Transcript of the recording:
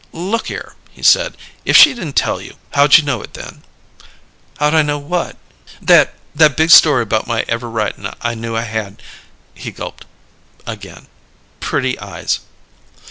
"Look here," he said, "if she didn't tell you, how'd you know it then?" "How'd I know what?" "That that big story about my ever writin' I knew I had" he gulped again "pretty eyes."